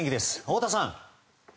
太田さん。